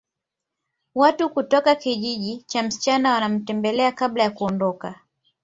Watu kutoka kijiji cha msichana wanamtembelea kabla ya kuondoka